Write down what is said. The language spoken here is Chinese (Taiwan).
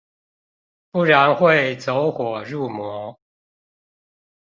不然會走火入魔